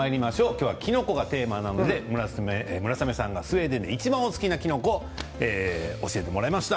今日は、きのこがテーマなので村雨さんがスウェーデンでいちばんお好きなきのこを教えてくれました。